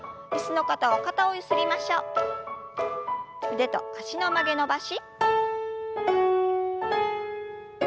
腕と脚の曲げ伸ばし。